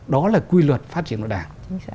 đó là quy luật phát triển của đảng